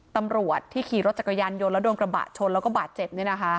ตำรวจที่ขี่รถจักรยานยนต์แล้วโดนกระบะชนแล้วก็บาดเจ็บ